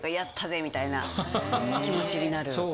みたいな気持ちになる。